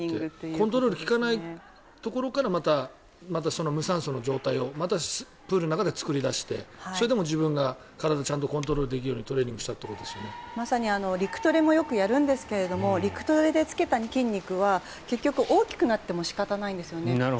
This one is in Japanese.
コントロールが利かないところから無酸素の状態をまたプールの中で作り出してそれでもちゃんとコントロールできるように陸のトレーニングでもやるんですが陸トレでつけた筋肉は結局、大きくなっても仕方ないんですよね。